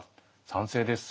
賛成です。